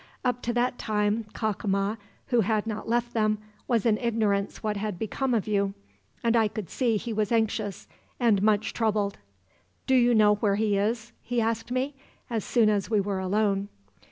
Up to that time Cacama, who had not left them, was in ignorance what had become of you; and I could see he was anxious, and much troubled." "'Do you know where he is?' he asked me, as soon as we were alone.